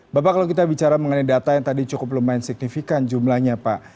bapak kalau kita bicara mengenai data yang tadi cukup lumayan signifikan jumlahnya pak